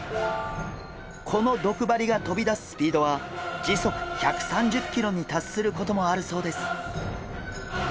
この毒針が飛び出すスピードは時速１３０キロに達することもあるそうです。